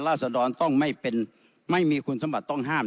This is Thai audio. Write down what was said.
ศดรต้องไม่เป็นไม่มีคุณสมบัติต้องห้าม